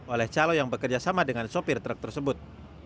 oleh calo yang bekerja sama dengan supir truk tersebut